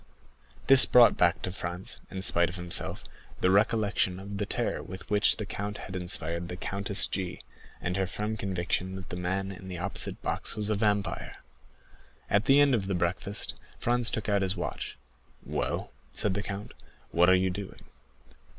This brought back to Franz, in spite of himself, the recollection of the terror with which the count had inspired the Countess G——, and her firm conviction that the man in the opposite box was a vampire. At the end of the breakfast Franz took out his watch. "Well," said the count, "what are you doing?"